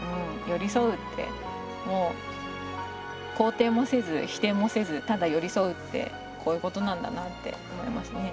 寄り添うってもう肯定もせず否定もせずただ寄り添うってこういうことなんだなって思いますね。